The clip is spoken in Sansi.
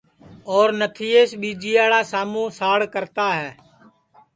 اور نتھیس ٻیجیاڑا شاموں ساڑ کرتا ہے